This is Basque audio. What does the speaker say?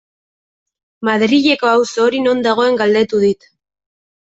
Madrileko auzo hori non dagoen galdetu dit.